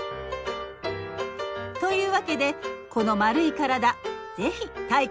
というわけでこの丸い体ぜひ体感してみて！